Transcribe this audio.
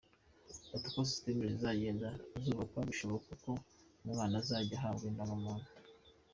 Ati “Uko ‘systeme’ zizagenda zubakwa birashoboka ko umwana azajya ahabwa indangamuntu.